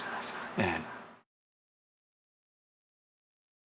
ええ。